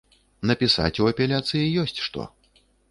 Напісаць у апеляцыі ёсць што.